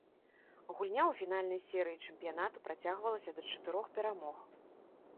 Гульня ў фінальнай серыі чэмпіянату працягвалася да чатырох перамог.